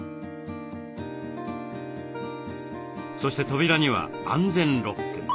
そして扉には安全ロック。